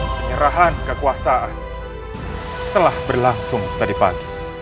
penyerahan kekuasaan telah berlangsung tadi pagi